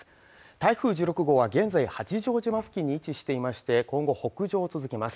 台風１６号は現在八丈島付近に位置していまして今後北上を続けます